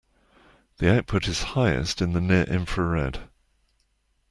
The output is highest in the near infrared.